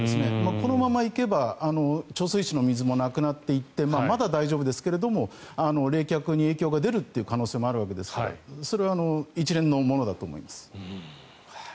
このままいけば貯水池の水もなくなっていってまだ大丈夫ですが冷却に影響が出る可能性もありますからそれは一連のものだと思います。